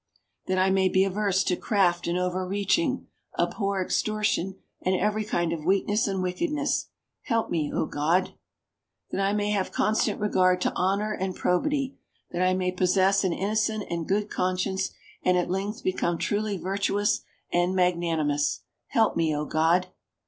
"That I may be averse to craft and overreaching, abhor extortion and every kind of weakness and wickedness. Help me, O God! "That I may have constant regard to honor and probity; that I may possess an innocent and good conscience, and at length become truly virtuous and magnanimous. Help me, O God!